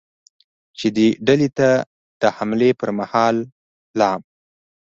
چې دې ډلې ته د حملې پرمهال ل